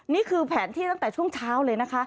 นี่คือแผนที่ตั้งแต่ช่วงเช้าเลยนะคะ